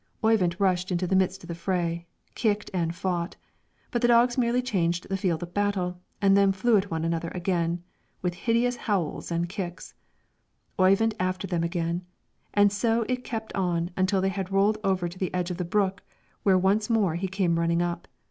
Oyvind rushed into the midst of the fray, kicked and fought; but the dogs merely changed the field of battle, and then flew at one another again, with hideous howls and kicks; Oyvind after them again, and so it kept on until they had rolled over to the edge of the brook, when he once more came running up.